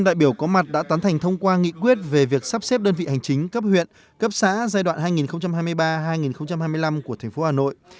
một trăm linh đại biểu có mặt đã tán thành thông qua nghị quyết về việc sắp xếp đơn vị hành chính cấp huyện cấp xã giai đoạn hai nghìn hai mươi ba hai nghìn hai mươi năm của tp hà nội